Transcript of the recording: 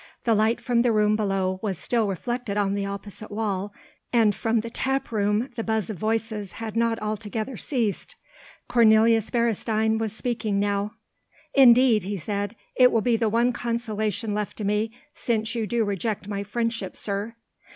The light from the room below was still reflected on the opposite wall, and from the tap room the buzz of voices had not altogether ceased. Cornelius Beresteyn was speaking now: "Indeed," he said, "it will be the one consolation left to me, since you do reject my friendship, sir."